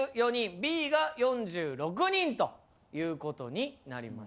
Ｂが４６人ということになりました。